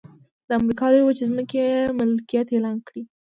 د امریکا لویې وچې ځمکې یې ملکیت اعلان کړې.